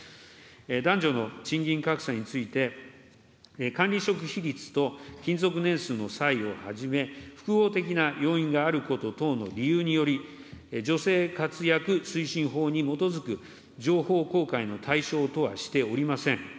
男女の賃金格差について、管理職比率と勤続年数の差異をはじめ、複合的な要因があること等の理由により、女性活躍推進法に基づく情報公開の対象とはしておりません。